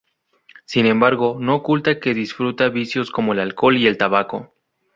Sin embargo, no oculta que disfruta vicios como el alcohol y el tabaco.